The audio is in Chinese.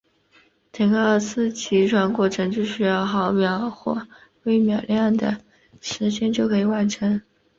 整个二次击穿过程只需要毫秒或微秒量级的时间就可以完成。